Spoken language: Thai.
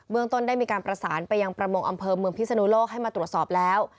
เมืองต้นได้มีการประสานไปยังประมงอำเภอเมืองพิศนุโลกให้มาตรวจสอบแล้ว